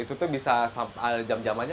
itu tuh bisa ada jam jamannya